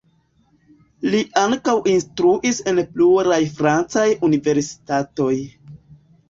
Li ankaŭ instruis en pluraj francaj universitatoj.